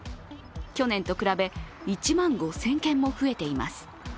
去年と比べ１万５０００件も増えています。